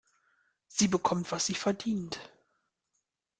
Sie bekommt, was sie verdient.